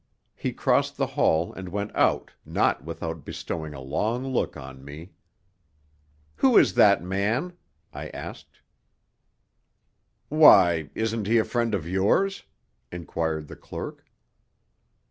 He crossed the hall and went out, not without bestowing a long look on me. "Who is that man?" I asked. "Why, isn't he a friend of yours?" inquired the clerk.